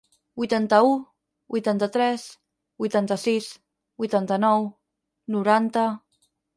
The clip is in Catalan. Vuitanta-u, vuitanta-tres, vuitanta-sis, vuitanta-nou, noranta...